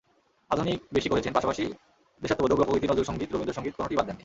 আধুনিক বেশি করেছেন, পাশাপাশি দেশাত্মবোধক, লোকগীতি, নজরুলসংগীত, রবীন্দ্রসংগীত কোনোটিই বাদ দেননি।